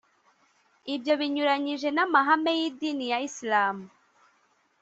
ibyo binyuranyije n’amahame y’idini ya Islam